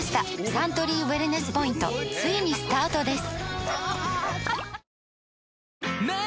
サントリーウエルネスポイントついにスタートです！